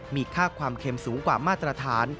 มีค่าความเค็มสูงกว่ามาตรฐาน